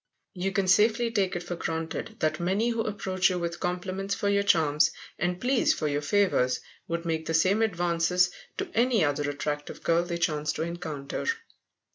You can safely take it for granted that many who approach you with compliments for your charms, and pleas for your favours, would make the same advances to any other attractive girl they chanced to encounter.